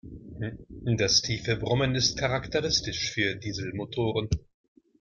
Das tiefe Brummen ist charakteristisch für Dieselmotoren.